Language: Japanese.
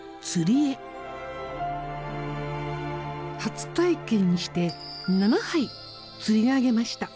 初体験にして７杯釣り上げました。